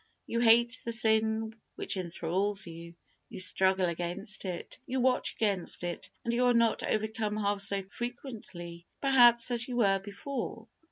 You hate the sin which enthrals you. You struggle against it. You watch against it and you are not overcome half so frequently, perhaps, as you were before.